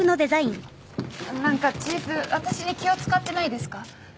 何かチーフ私に気を遣ってないですか？